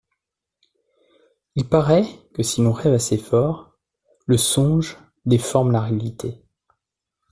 Il paraît que si l’on rêve assez fort, le songe déforme la réalité.